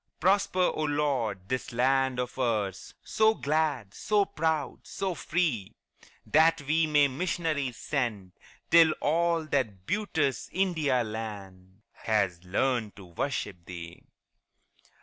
Prosper, O Lord, this land of ours, So glad, so proud, so free, That we may missionaries send Till all that beauteous India land Has learned to worship Thee.